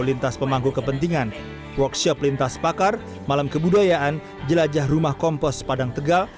lintas pemangku kepentingan workshop lintas pakar malam kebudayaan jelajah rumah kompos padang tegal